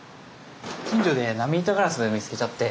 近所で波板ガラス見つけちゃって。